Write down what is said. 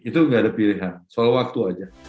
itu tidak ada pilihan soal waktu saja